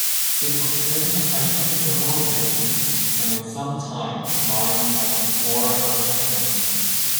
It occurs in hydrothermal veins and is sometimes mined as an ore of tin.